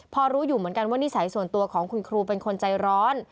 พอรู้อยู่เหมือนกันว่านิสัยส่วนตัวของคุณครูเป็นคนใจร้อน